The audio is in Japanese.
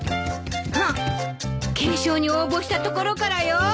懸賞に応募したところからよ。